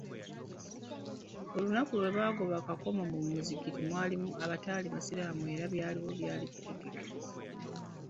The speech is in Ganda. Ku lunaku lwe baagoba Kakomo, mu muzikiti mwalimu abatali basiraamu era ebyaliwo byali bitegeke.